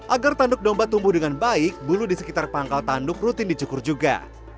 agar tanduk domba tumbuh dengan baik bulu di sekitar pangkal tanduk rutin dicukur juga